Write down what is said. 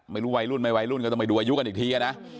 ไม่รู้วัยรุ่นไม่วัยรุ่นก็ต้องไปดูอายุกันอีกทีนะ